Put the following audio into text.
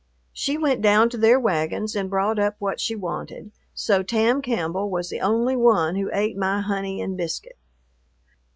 She went down to their wagons and brought up what she wanted, so Tam Campbell was the only one who ate my honey and biscuit.